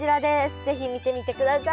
是非見てみてください。